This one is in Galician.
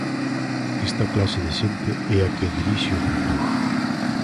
Esta clase de xente é a que dirixe o mundo.